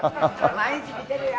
毎日見てるよ！